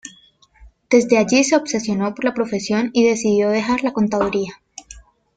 Desde allí se obsesionó por la profesión y decidió dejar la Contaduría.